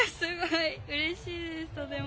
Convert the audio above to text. うれしいです、とても。